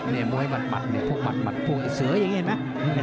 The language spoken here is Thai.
เนี่ยมุยบัตรเนี่ยพวกบัตรเสืออย่างนี้เห็นไหม